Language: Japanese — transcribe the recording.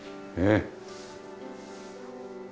ええ。